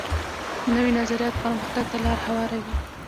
نوی نظریات پرمختګ ته لار هواروي